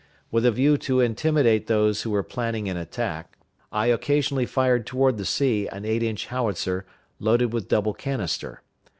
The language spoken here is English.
With a view to intimidate those who were planning an attack, I occasionally fired toward the sea an eight inch howitzer, loaded with double canister.